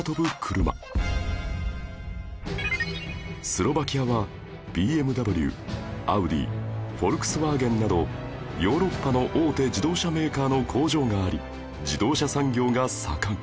スロバキアは ＢＭＷ アウディフォルクスワーゲンなどヨーロッパの大手自動車メーカーの工場があり自動車産業が盛ん